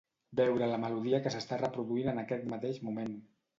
Veure la melodia que s'està reproduint en aquest mateix moment.